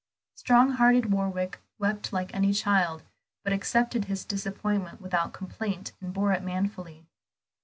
Strong hearted Warwick wept like any child, but accepted his disappointment without complaint and bore it manfully.